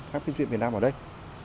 hác truyện việt nam ở đây